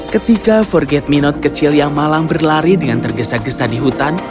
ketika forget me not kecil yang malang berlari dengan tergesa gesa di hutan